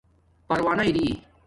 پروانہ اری